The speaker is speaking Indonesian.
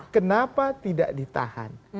kenapa tidak ditahan